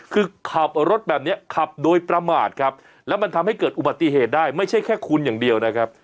คือขับรถแบบนี้ขับโดยประมาทครับแล้วมันทำให้เกิดอุบัติเหตุได้ไม่ใช่แค่คุณอย่างเดียวนะครับ